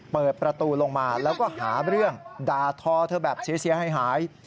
เปิดประตูลงมาแล้วก็หาเรื่องด่าทอเธอแบบเสียหาย